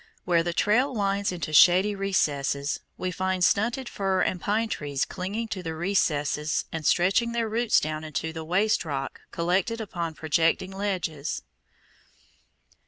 Where the trail winds into shady recesses, we find stunted fir and pine trees clinging to the crevices and stretching their roots down into the waste rock collected upon projecting ledges.